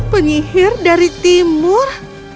penyihir dari timur